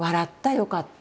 よかった！